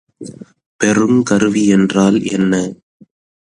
பெறுங்கருவி என்றால் என்ன?